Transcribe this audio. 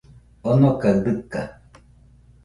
Onokaɨ dɨkaɨ